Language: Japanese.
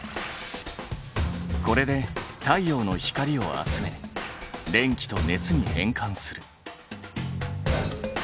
これで太陽の光を集め電気と熱に変換する。